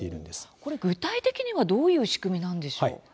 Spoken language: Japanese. これ、具体的にはどういう仕組みなんでしょう。